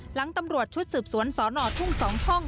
หลังตำรวจชุดสืบสวนสนทุ่ง๒ช่อง